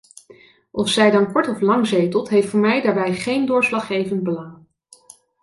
Of zij dan kort of lang zetelt heeft voor mij daarbij geen doorslaggevend belang.